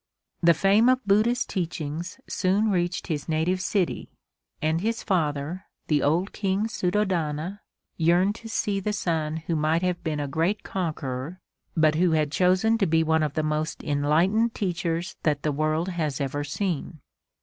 The fame of Buddha's teachings soon reached his native city and his father, the old King Suddhodana, yearned to see the son who might have been a great conqueror but who had chosen to be one of the most enlightened teachers that the world has ever seen.